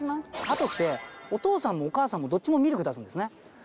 ハトってお父さんもお母さんもどっちもミルク出すんですね。